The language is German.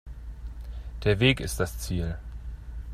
Der Weg ist das Ziel.